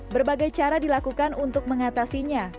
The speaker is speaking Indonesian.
berbagai cara dilakukan untuk mengatasinya